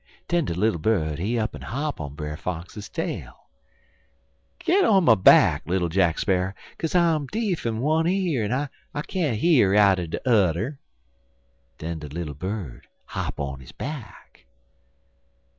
"Den de little bird he up'n hop on Brer Fox's tail. "'Git on my back, little Jack Sparrer, kaze I'm de'f in one year en I can't hear out'n de udder.' "Den de little bird hop on his back.